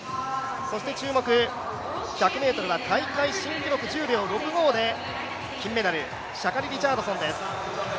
注目、１００ｍは大会新記録１０秒６５で金メダル、シャカリ・リチャードソンです。